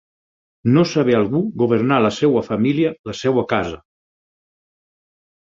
No saber algú governar la seva família, la seva casa.